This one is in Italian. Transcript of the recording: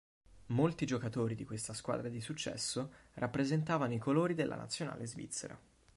Molti giocatori di questa squadra di successo rappresentavano i colori della nazionale svizzera.